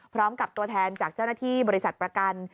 พร้อมกับตัวแทนจากเจ้าหน้าที่บริษัทประกัน